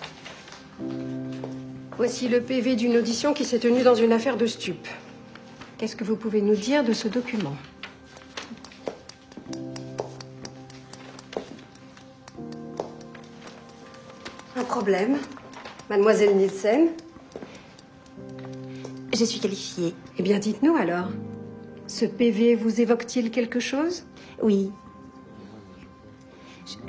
はい。